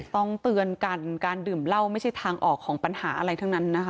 ต้องเตือนกันการดื่มเหล้าไม่ใช่ทางออกของปัญหาอะไรทั้งนั้นนะคะ